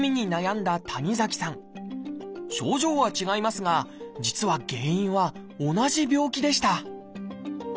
症状は違いますが実は原因は同じ病気でした。